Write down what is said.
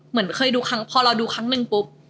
เหมือนเคยดูครั้งพอเราดูครั้งหนึ่งปุ๊บ